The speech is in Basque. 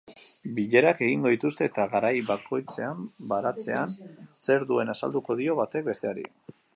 Bilerak egingo dituzte eta garai bakoitzean baratzean zer duen azalduko dio batek besteari.